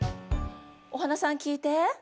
お花さん聞いて。